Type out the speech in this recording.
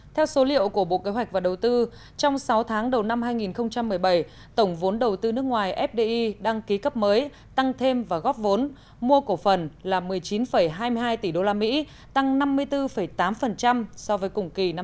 theo số liệu của bộ kế hoạch và đầu tư trong sáu tháng đầu năm hai nghìn một mươi bảy tổng vốn đầu tư nước ngoài fdi đăng ký cấp mới tăng thêm và góp vốn mua cổ phần là một mươi chín hai mươi hai tỷ usd tăng năm mươi bốn tám so với cùng kỳ năm hai nghìn một mươi bảy